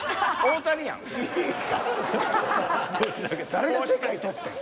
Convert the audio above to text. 誰が世界獲ってん。